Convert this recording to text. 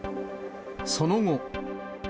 その後。